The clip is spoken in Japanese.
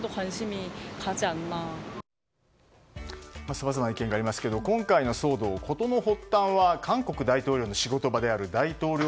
さまざまな意見がありますが今回の騒動、事の発端は韓国大統領の仕事場である大統領